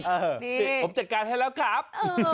นี่ผมจัดการให้แล้วครับ